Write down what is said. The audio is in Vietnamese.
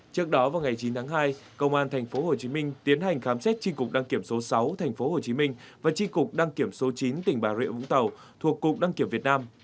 trước đó vào ngày chín tháng hai công an tp hcm tiến hành khám xét tri cục đăng kiểm số sáu tp hcm và tri cục đăng kiểm số chín tỉnh bà rịa vũng tàu thuộc cục đăng kiểm việt nam